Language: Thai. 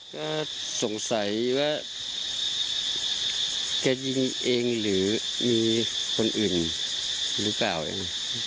ก็สงสัยว่าแกยิงเองหรือมีคนอื่นหรือเปล่าเอง